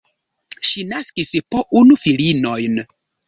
Ŝi naskis po unu filinojn.